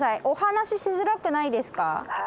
お話ししづらくないですか？